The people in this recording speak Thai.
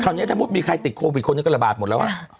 คราวเนี้ยทั้งหมดมีใครติดโควิดคนเนี้ยก็ระบาดหมดแล้วอ่ะ